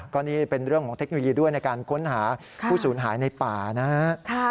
ก็นี่เป็นเรื่องของเทคโนโลยีด้วยในการค้นหาผู้สูญหายในป่านะฮะ